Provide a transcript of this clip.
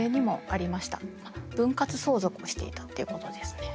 分割相続をしていたっていうことですね。